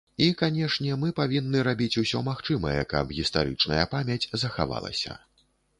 І канешне, мы павінны рабіць усё магчымае, каб гістарычная памяць захавалася.